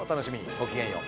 ごきげんよう。